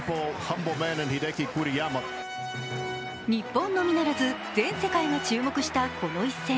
日本のみならず、全世界が注目したこの一戦。